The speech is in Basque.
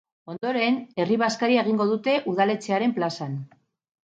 Ondoren, herri-bazkaria egingo dute udaletxearen plazan.